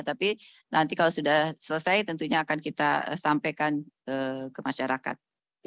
tapi nanti kalau sudah selesai tentunya akan kita sampaikan ke masyarakat